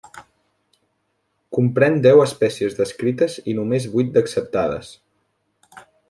Comprèn deu espècies descrites i només vuit d'acceptades.